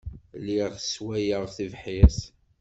Lliɣ sswayeɣ tibḥirt.